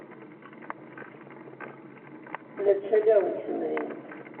La ttcaliɣ deg temdint.